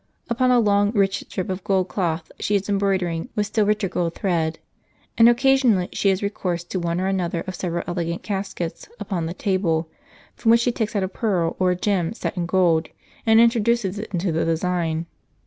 Upon a long rich strip of gold cloth she is embroidering with still richer gold thread ; and occasionally she has recourse to one or another of several elegant caskets upon the table, from which she takes out a pearl, or a gem set in gold, and intro duces it into the design.